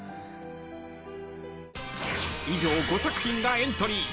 ［以上５作品がエントリー］